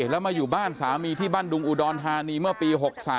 แล้วมาอยู่บ้านสามีที่บ้านดุงอุดรธานีเมื่อปี๖๓